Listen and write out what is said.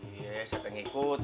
iya saya pengikut